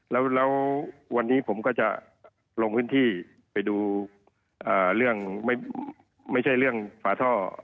แล้ววันนี้ผมก็จะลงพื้นที่ไปดูเรื่องไม่ใช่เรื่องฝาท่อ